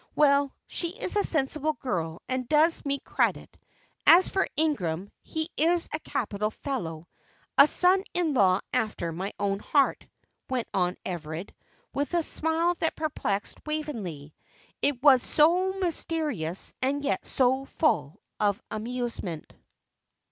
"Well, she is a sensible girl, and does me credit. As for Ingram, he is a capital fellow, a son in law after my own heart," went on Everard, with a smile that perplexed Waveney, it was so mysterious and yet so full of amusement.